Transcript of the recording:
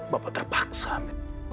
bapak terpaksa ben